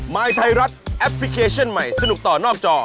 ยไทยรัฐแอปพลิเคชันใหม่สนุกต่อนอกจอ